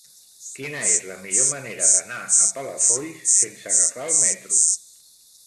Quina és la millor manera d'anar a Palafolls sense agafar el metro?